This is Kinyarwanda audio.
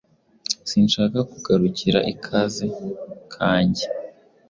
Sinshaka guhagarika ikaze kanjye.